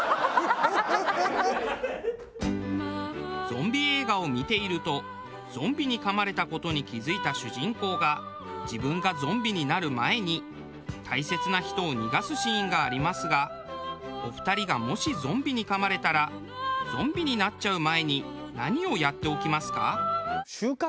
ゾンビ映画を見ているとゾンビに噛まれた事に気付いた主人公が自分がゾンビになる前に大切な人を逃がすシーンがありますがお二人がもしゾンビに噛まれたらゾンビになっちゃう前に何をやっておきますか？